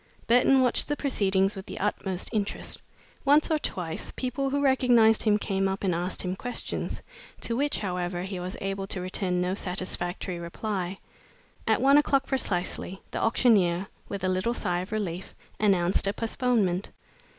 Burton watched the proceedings with the utmost interest. Once or twice people who recognized him came up and asked him questions, to which, however, he was able to return no satisfactory reply. At one o'clock precisely, the auctioneer, with a little sigh of relief, announced a postponement.